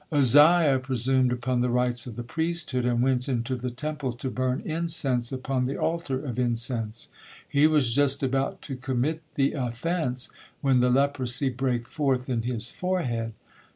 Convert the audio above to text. " Uzziah presumed upon the rights of the priesthood, and went into the Temple to burn incense upon the altar of incense. He was just about to commit the offence, when "the leprosy brake forth in his forehead."